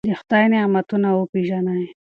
د خدای نعمتونه وپېژنئ.